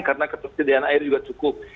karena ketersediaan air juga cukup